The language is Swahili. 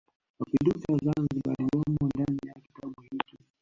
Mapinduzi ya Zanzibar waliyomo ndani ya kitabu hiki